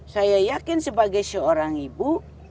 saya yakin sebagai seorang ibu